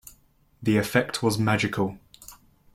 The effect was magical.